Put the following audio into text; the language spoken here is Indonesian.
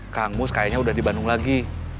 kang mus kayaknya udah di bandung lagi